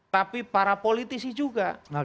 tapi para politisi juga